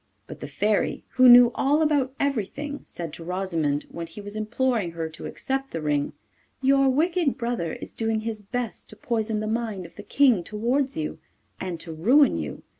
But the Fairy, who knew all about everything, said to Rosimond, when he was imploring her to accept the ring: 'Your wicked brother is doing his best to poison the mind of the King towards you, and to ruin you.